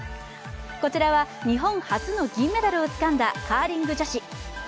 こちらは日本初の銀メダルをつかんだカーリング女子。